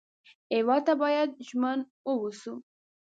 هېواد ته باید ژمن و اوسو